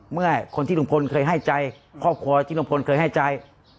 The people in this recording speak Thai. เมื่อคนที่ลุงพลเคยให้ใจครอบครัวที่ลุงพลเคยให้ใจ